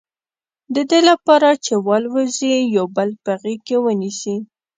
د دې لپاره چې والوزي یو بل په غېږ کې ونیسي.